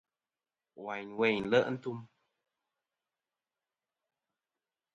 Wayn weyn nle' ntum.